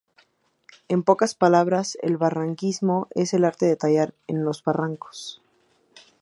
En pocas palabras el barranquismo es el arte de tallar en los barrancos.